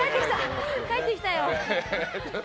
帰ってきたよ。